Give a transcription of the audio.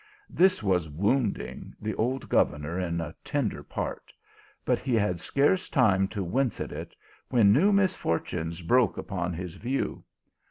This was wounding the old governor in a tender part, but he had scarce time to wince at it, when new misfortunes broke upon his view.